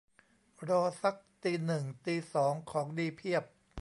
รอซักตีหนึ่งตีสอง ของดีเพียบ